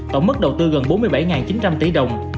tổng mức đầu tư gần bốn mươi bảy chín trăm linh tỷ đồng